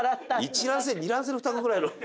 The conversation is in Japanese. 一卵性二卵性の双子ぐらいの。